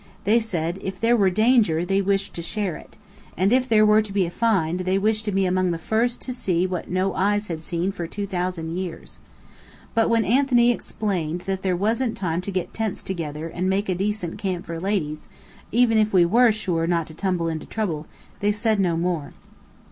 They said, if there were danger, they wished to share it. And if there were to be a "find," they wished to be among the first to see what no eyes had seen for two thousand years. But when Anthony explained that there wasn't time to get tents together and make a decent camp for ladies, even if we were sure not to tumble into trouble, they said no more.